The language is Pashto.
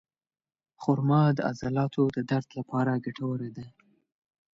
خرما د عضلاتو د درد لپاره ګټوره ده.